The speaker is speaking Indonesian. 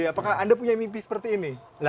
apakah anda punya mimpi seperti ini